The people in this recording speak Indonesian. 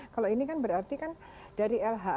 kalau ini berarti dari lha